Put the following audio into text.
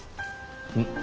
うん。